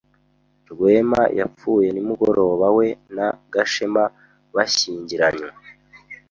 Rwema yapfuye nimugoroba we na Gashema bashyingiranywe.